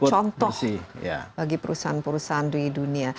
contoh bagi perusahaan perusahaan di dunia